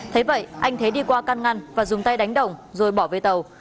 thế vậy anh thế đi qua can ngăn và dùng tay đánh đồng rồi bỏ về tàu